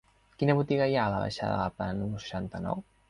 Quina botiga hi ha a la baixada de la Plana número seixanta-nou?